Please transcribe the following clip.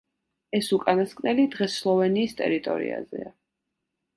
ეს უკანასკნელი დღეს სლოვენიის ტერიტორიაზეა.